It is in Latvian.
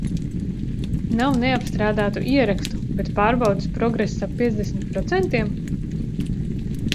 Nav neapstrādātu ierakstu, bet pārbaudes progress ap piecdesmit procentiem?